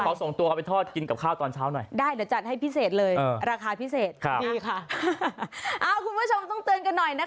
ขอส่งตัวไปทอดกินกับข้าวตอนเช้าหน่อย